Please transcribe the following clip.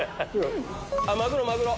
マグロマグロ！